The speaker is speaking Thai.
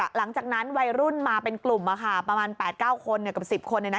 หลังจากนั้นวัยรุ่นมาเป็นกลุ่มประมาณ๘๙คนกับ๑๐คน